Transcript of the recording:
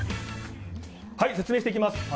説明していきます。